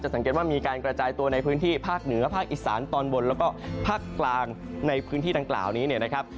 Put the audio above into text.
สังเกตว่ามีการกระจายตัวในพื้นที่ภาคเหนือภาคอีสานตอนบนแล้วก็ภาคกลางในพื้นที่ดังกล่าวนี้เนี่ยนะครับ